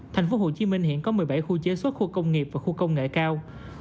thành phố hồ chí minh hiện có một mươi bảy khu chế xuất khu công nghiệp và khu công nghệ cao